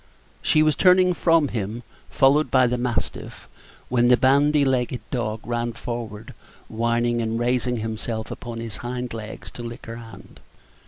She was turning from him, followed by the mastiff, when the bandy legged dog ran forward, whining, and raising himself upon his hind legs to lick her hand.